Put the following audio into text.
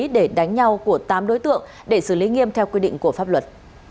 để đánh nhau của tám đối tượng để xử lý nghiêm theo quy định của pháp luật